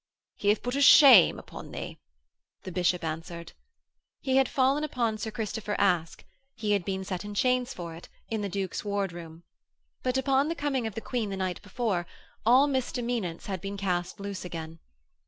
'He hath put a shame upon thee,' the bishop answered. He had fallen upon Sir Christopher Aske: he had been set in chains for it, in the Duke's ward room. But upon the coming of the Queen the night before, all misdemeanants had been cast loose again.